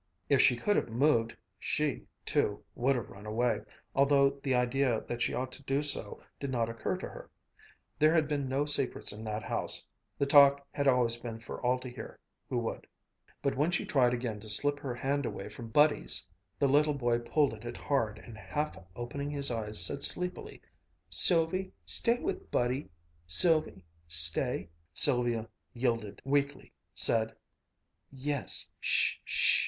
If she could have moved, she, too, would have run away, although the idea that she ought to do so did not occur to her. There had been no secrets in that house. The talk had always been for all to hear who would. But when she tried again to slip her hand away from Buddy's the little boy pulled at it hard, and half opening his eyes, said sleepily, "Sylvie stay with Buddy Sylvie stay " Sylvia yielded weakly, said: "Yes sh!